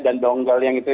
dan donggel yang itu